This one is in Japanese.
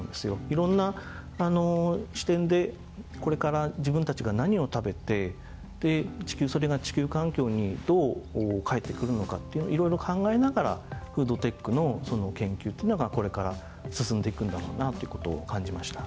いろんな視点でこれから自分たちが何を食べてでそれが地球環境にどう返ってくるのかっていろいろ考えながらフードテックの研究というのがこれから進んでいくんだろうなという事を感じました。